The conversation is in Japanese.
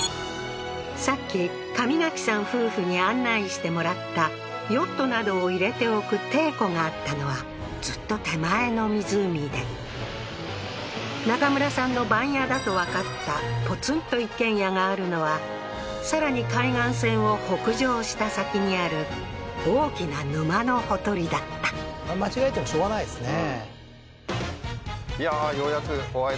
さっき神垣さん夫婦に案内してもらったヨットなどを入れておく艇庫があったのはずっと手前の湖で中村さんの番屋だとわかったポツンと一軒家があるのはさらに海岸線を北上した先にある間違えてもしょうがないですね